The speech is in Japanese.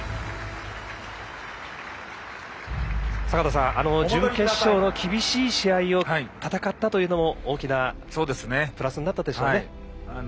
坂田さんあの準決勝の厳しい試合を戦ったというのも大きなプラスになったでしょうね。